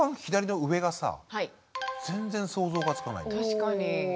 確かに。